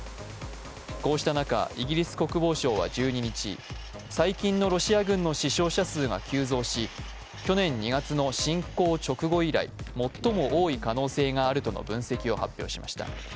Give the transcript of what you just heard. こうした中、イギリス国防省は１２日、最近のロシア軍の死傷者数が急増し去年２月の侵攻直後以来、最も多い可能性があるとの分析を発表しました。